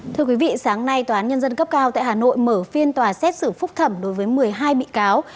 thưa quý vị sáng nay tòa án nhân dân cấp cao tại hà nội mở phiên tòa xét xử phúc thẩm đối với một mươi hai bị cáo